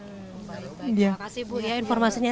terima kasih bu ya informasinya